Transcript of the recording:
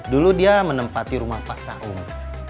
dulu dia menempati rumah pak saung